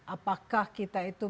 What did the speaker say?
apakah kita itu